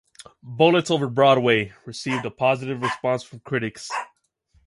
"Bullets over Broadway" received a positive response from critics.